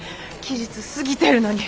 期日過ぎてるのに。